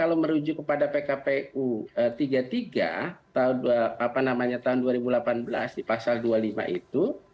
kalau merujuk kepada pkpu tiga puluh tiga tahun dua ribu delapan belas di pasal dua puluh lima itu